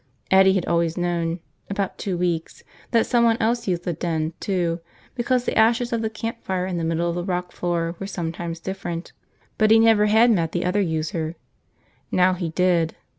Eddie had always known – about two weeks – that someone else used the den, too, because the ashes of the campfire in the middle of the rock floor were sometimes different. But he never had met the other user. Now he did.